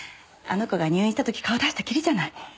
あの子が入院した時顔出したきりじゃない。